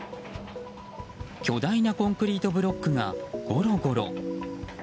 巨大なコンクリートブロックがゴロゴロ。